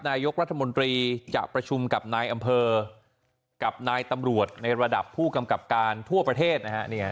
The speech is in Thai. นายกรัฐมนตรีจะประชุมกับนายอำเภอกับนายตำรวจในระดับผู้กำกับการทั่วประเทศนะฮะ